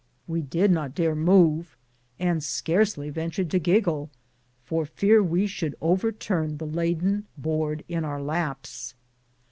We did not dare move, and scarcely ventured to giggle, for fear we should overturn the laden board in our laps.